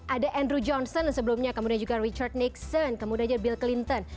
ada andrew johnson sebelumnya kemudian juga richard nixon kemudian bill clinton